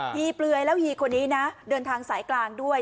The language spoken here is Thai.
ฮีปลวยนี่เดินทางสายกลางด้วย